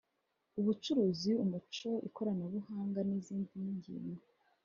ubucuruzi, umuco, ikoranabuhanga, nizindi ngingo,